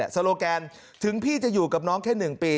โลแกนถึงพี่จะอยู่กับน้องแค่๑ปี